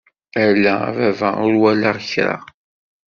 Ala a baba ur walaɣ kra!